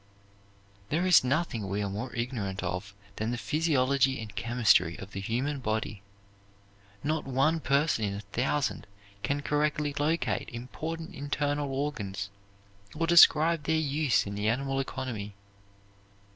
There is nothing we are more ignorant of than the physiology and chemistry of the human body. Not one person in a thousand can correctly locate important internal organs or describe their use in the animal economy.